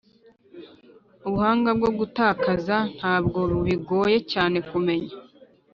ubuhanga bwo gutakaza ntabwo bigoye cyane kumenya